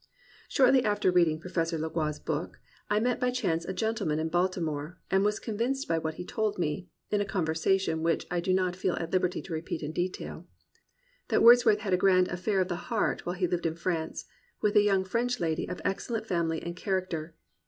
Shortly after reading Professor Legouis' book, I met by chance a gentleman in Baltimore and was convinced by what he told me, (in a conversation which I do not feel at liberty to repeat in detail,) that Wordsworth had a grand "aflFair of the heart" while he lived in France, with a young French lady of excellent family and character.